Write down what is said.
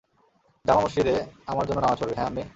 জামা মসজিদে আমার জন্য নামাজ পরবি - হ্যাঁ, আম্মি।